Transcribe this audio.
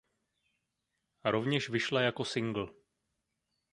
Rovněž vyšla jako singl.